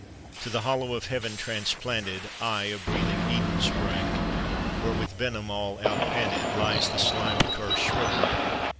To the hollow of Heaven transplanted, I a breathing Eden spring, Where with venom all outpanted Lies the slimed Curse shrivelling.